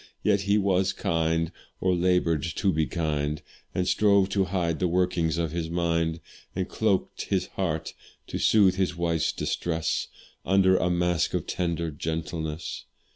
Yet he was kind, or laboured to be kind, And strove to hide the workings of his mind; And cloak'd his heart, to soothe his wife's distress, Under a mask of tender gentleness.